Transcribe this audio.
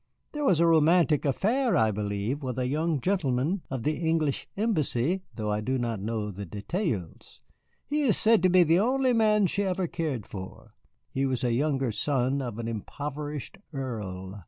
There was a romantic affair, I believe, with a young gentleman of the English embassy, though I do not know the details. He is said to be the only man she ever cared for. He was a younger son of an impoverished earl."